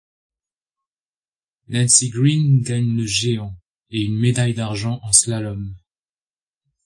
Nancy Greene gagne le géant et une médaille d'argent en slalom.